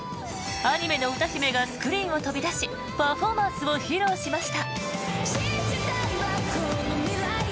アニメの歌姫がスクリーンを飛び出しパフォーマンスを披露しました。